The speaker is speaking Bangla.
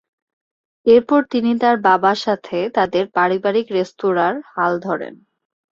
এরপর তিনি তার বাবা সাথে তাদের পারিবারিক রেস্তোরাঁর হাল ধরেন।